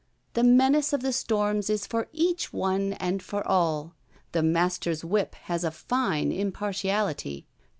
The menace of the storms is for each one and for all: the master's whip has a fine impartiality.